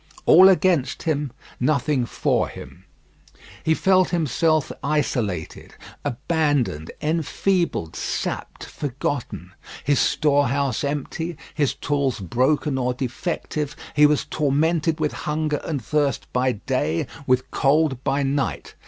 All against him; nothing for him; he felt himself isolated, abandoned, enfeebled, sapped, forgotten. His storehouse empty, his tools broken or defective; he was tormented with hunger and thirst by day, with cold by night.